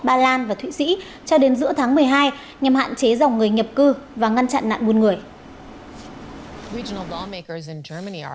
ba lan và thụy sĩ cho đến giữa tháng một mươi hai nhằm hạn chế dòng người nhập cư và ngăn chặn nạn buôn người